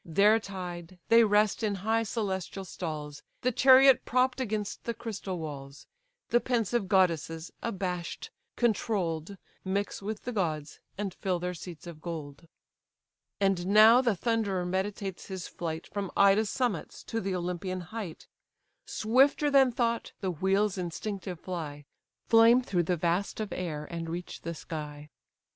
There tied, they rest in high celestial stalls; The chariot propp'd against the crystal walls, The pensive goddesses, abash'd, controll'd, Mix with the gods, and fill their seats of gold. THE HOURS TAKING THE HORSES FROM JUNO'S CAR And now the Thunderer meditates his flight From Ida's summits to the Olympian height. Swifter than thought, the wheels instinctive fly, Flame through the vast of air, and reach the sky.